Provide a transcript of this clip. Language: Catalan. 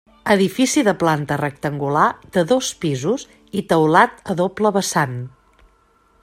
Edifici de planta rectangular, de dos pisos, i teulat a doble vessant.